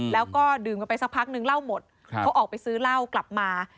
แล้วก็ดื่มกันไปสักพักนึงเหล้าหมดเขาออกไปซื้อเหล้ากลับมา